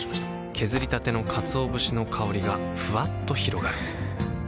削りたてのかつお節の香りがふわっと広がるはぁ。